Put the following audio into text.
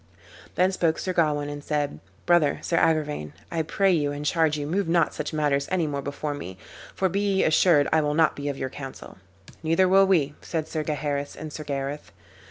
"Then spoke Sir Gawain, and said, "Brother, Sir Agrivain, I pray you and charge you move not such matters any more before me, for be ye assured I will not be of your counsel." "Neither will we," said Sir Gaheris and Sir Gareth.